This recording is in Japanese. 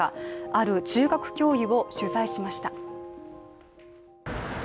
ある中学教諭を取材しました。